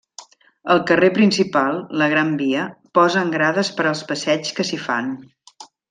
Al carrer principal, la Gran Via, posen grades per als passeigs que s'hi fan.